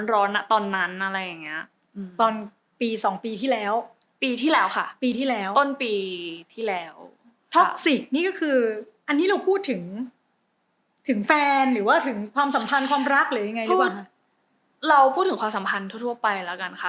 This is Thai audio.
เราพูดถึงความสัมพันธุ์ทั่วป่ายแล้วกันค่ะ